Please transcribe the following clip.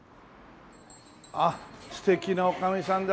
あっ素敵な女将さんで。